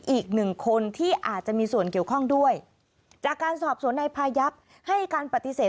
อีกหนึ่งคนที่อาจจะมีส่วนเกี่ยวข้องด้วยจากการสอบสวนนายพายับให้การปฏิเสธ